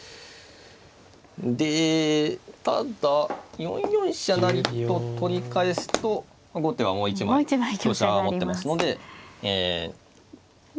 でただ４四飛車成と取り返すと後手はもう一枚香車持ってますので切り返して。